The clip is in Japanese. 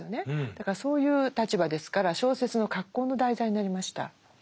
だからそういう立場ですから小説の格好の題材になりました。